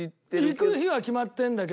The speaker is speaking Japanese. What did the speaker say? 行く日は決まってるんだけど。